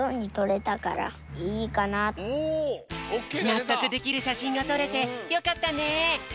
なっとくできるしゃしんがとれてよかったね！